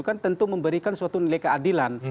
kan tentu memberikan suatu nilai keadilan